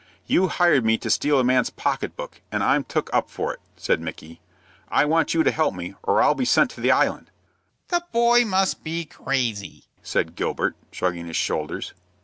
"You hired me to steal a man's pocket book, and I'm took up for it," said Micky. "I want you to help me, or I'll be sent to the Island." "The boy must be crazy," said Gilbert, shrugging his shoulders.